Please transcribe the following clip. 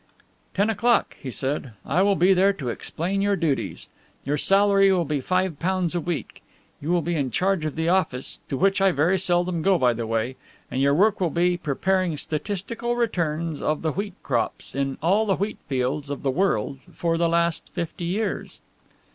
"Ten o'clock," he said, "I will be there to explain your duties. Your salary will be £5 a week. You will be in charge of the office, to which I very seldom go, by the way, and your work will be preparing statistical returns of the wheat crops in all the wheat fields of the world for the last fifty years."